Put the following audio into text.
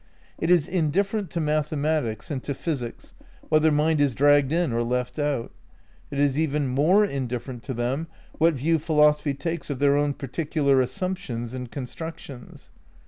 It is indifferent to mathematics and to physics whether mind is dragged in or left out. It is even more indiffer ent to them what view philosophy takes of their own particular assumptions and constructions.